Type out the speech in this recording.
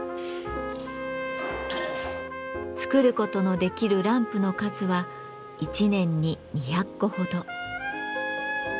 作ることのできるランプの数は一年に２００個ほど。